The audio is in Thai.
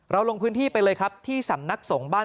ลงพื้นที่ไปเลยครับที่สำนักสงฆ์บ้าน